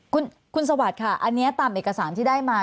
คุณสวัสดิ์ค่ะอันนี้ตามเอกสารที่ได้มา